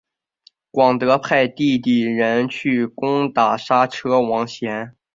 广德派弟弟仁去攻打莎车王贤。